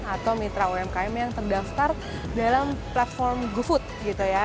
atau mitra umkm yang terdaftar dalam platform gofood